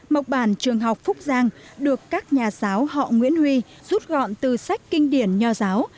mộc bản trường học phúc giang được các nhà giáo họ nguyễn huy rút gọn từ sách kinh điển nho giáo